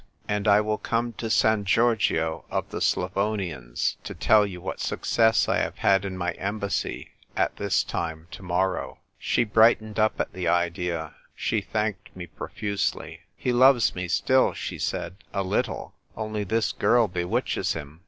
And I will come to San Giorgio of the Slavonians to tell you what success 1 have had in my em bassy at this time to morrow." 240 THE TYPE WRITER GIRL. She brightened up at the idea. She thanked me profusei}', " He loves me still," she said, "a little; only, this girl bewitches him.